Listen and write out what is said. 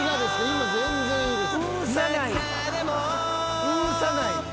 今全然いいです。